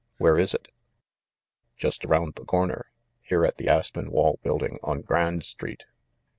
Where is it ?" "Just around the corner, here, at the Aspenwall building on Grand Street."